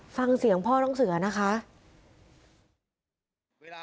ฟังเสียงพ่อน้องเสือนะคะ